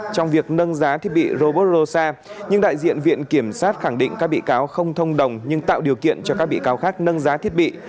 trong việc nâng giá thiết bị robot rosa nhưng đại diện viện kiểm sát khẳng định các bị cáo không thông đồng nhưng tạo điều kiện cho các bị cáo khác nâng giá thiết bị